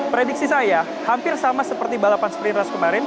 prediksi saya hampir sama seperti balapan sprint rust kemarin